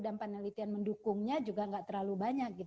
dan penelitian mendukungnya juga tidak terlalu banyak